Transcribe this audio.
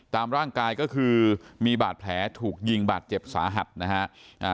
ตามร่างกายก็คือมีบาดแผลถูกยิงบาดเจ็บสาหัสนะฮะ